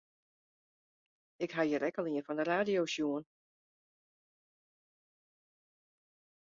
Ik ha hjir ek al ien fan de radio sjoen.